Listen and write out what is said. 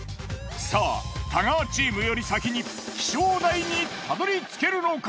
さぁ太川チームより先に気象台にたどり着けるのか！？